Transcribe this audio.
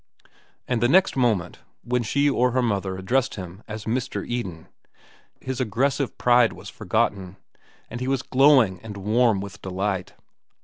And the next moment, when she or her mother addressed him as "Mr. Eden," his aggressive pride was forgotten, and he was glowing and warm with delight.